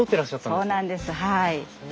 そうなんですはい。